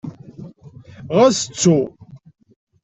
Ɣas ttu.